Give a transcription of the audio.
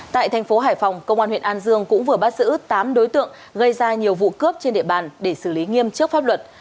tại thành phố hải phòng công an huyện an dương cũng vừa bắt giữ tám đối tượng gây ra nhiều vụ cướp trên địa bàn để xử lý nghiêm trước pháp luật